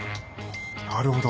なるほど。